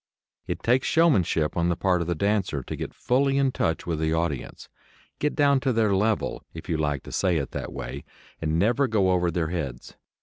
It takes showmanship on the part of the dancer to get fully in touch with the audience, get down to their level, if you like to say it that way, and never go over their heads.